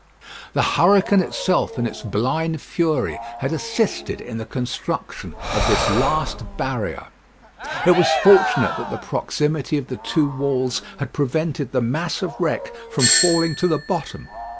The hurricane itself, in its blind fury, had assisted in the construction of this last barrier. It was fortunate that the proximity of the two walls had prevented the mass of wreck from falling to the bottom.